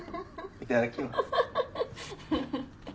いただきます。